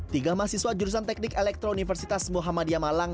tiga mahasiswa jurusan teknik elektro universitas muhammadiyah malang